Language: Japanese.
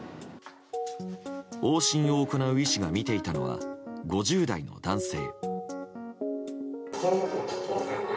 往診を行う医師が診ていたのは５０代の男性。